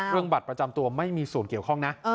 บัตรประจำตัวไม่มีส่วนเกี่ยวข้องนะ